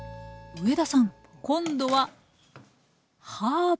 上田さん今度はハーブですか？